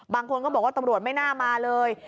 บางคนก็บอกว่าตำรวจไม่น่ามาเลย